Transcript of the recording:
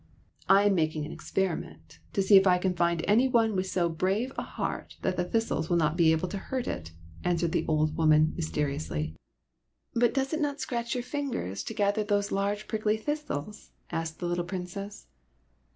" I am making an experiment, to see if I can find any one with so brave a heart that the thistles will not be able to hurt it," answered the old woman, mysteriously. " But does it not scratch your fingers to gather those large prickly thistles ?" asked the little Princess.